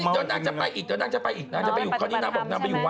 ไม่คุณยังไม่เคยไปต้องค่อยไปอย่างนี้ถูกแล้ว